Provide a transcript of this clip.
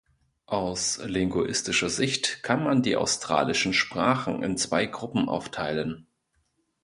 Aus linguistischer Sicht kann man die australischen Sprachen in zwei Gruppen aufteilen.